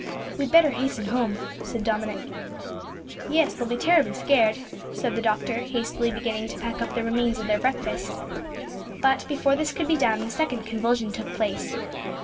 "We'd better hasten home," said Dominick. "Yes they'll be terribly scared," said the doctor, hastily beginning to pack up the remains of their breakfast. But, before this could be done, the second convulsion took place.